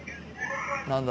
何だ？